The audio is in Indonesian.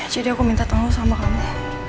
jadi aku minta tanggung sama kamu